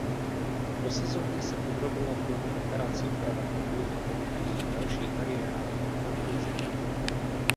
Po sezóně se podrobila dvěma operacím pravé nohy a její další kariéra byla ohrožena.